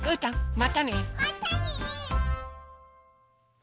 またね！